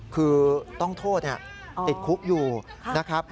คือต้องโทษติดคุกอยู่นะครับ